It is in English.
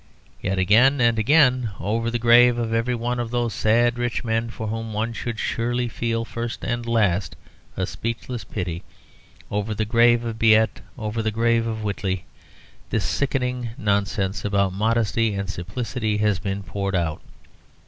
Yet again and again, over the grave of every one of those sad rich men, for whom one should surely feel, first and last, a speechless pity over the grave of Beit, over the grave of Whiteley this sickening nonsense about modesty and simplicity has been poured out.